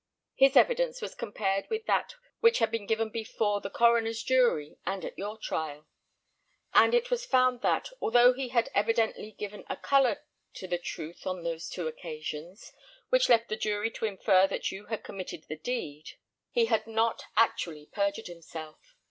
His evidence was compared with that which he had given before the coroner's jury and at your trial; and it was found that, although he had evidently given a colour to the truth on those two occasions, which left the jury to infer that you had committed the deed, he had not actually perjured himself.